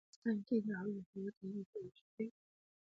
په افغانستان کې د آب وهوا تاریخ اوږد دی.